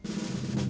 dia udah berangkat